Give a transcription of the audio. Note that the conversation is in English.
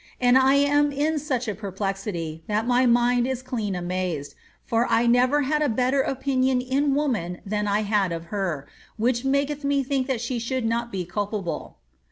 And I am in such a perplexity, that ray mind is clean amazed, for I never had a better opinion in woman than I had of her, which maketh me think that she should not be culpable.